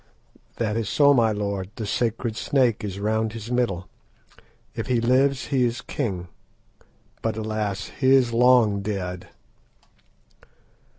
"That is so, my lord; the sacred snake is round his middle. If he lives he is king; but, alas! he is long dead."